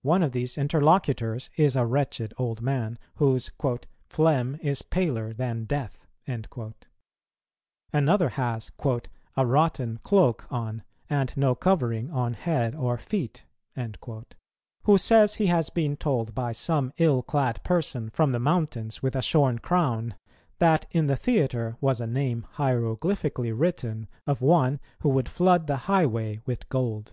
One of these interlocutors is a wretched old man, whose "phlegm is paler than death;" another has "a rotten cloke on, and no covering on head or feet," who says he has been told by some ill clad person from the mountains, with a shorn crown, that in the theatre was a name hieroglyphically written of one who would flood the highway with gold.